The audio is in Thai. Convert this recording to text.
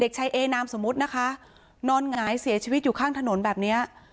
ชายเอนามสมมุตินะคะนอนหงายเสียชีวิตอยู่ข้างถนนแบบเนี้ย